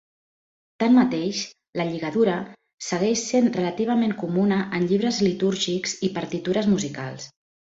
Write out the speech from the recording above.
Tanmateix, la lligadura segueix sent relativament comuna en llibres litúrgics i partitures musicals.